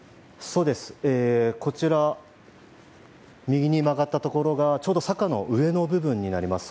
そうです、こちら、右に曲がったところがちょうど坂の上の部分になります。